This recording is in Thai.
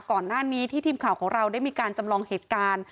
ก่อนหน้านี้ที่ทีมข่าวของเราได้มีการจำลองเหตุการณ์